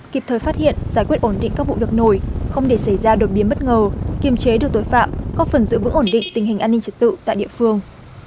kịp thời phát hiện giải quyết ổn định các vụ việc nổi không để xảy ra đột biến bất ngờ kiềm chế được tội phạm có phần giữ vững ổn định tình hình an ninh trật tự tại địa phương